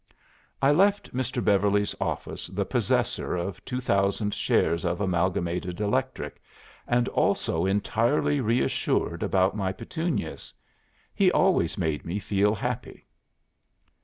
'" "I left Mr. Beverly's office the possessor of two thousand shares of Amalgamated Electric, and also entirely reassured about my Petunias. He always made me feel happy."